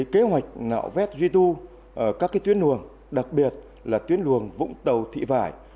kế hoạch nạo vét duy tu các tuyến luồng đặc biệt là tuyến luồng vũng tàu thị vải